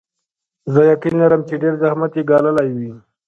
زه یقین لرم چې ډېر زحمت یې ګاللی وي.